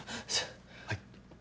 はい。